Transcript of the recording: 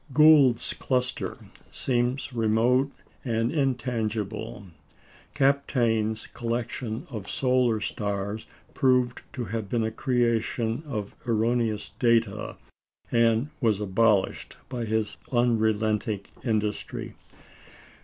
Gould's cluster seems remote and intangible; Kapteyn's collection of solar stars proved to have been a creation of erroneous data, and was abolished by his unrelenting industry.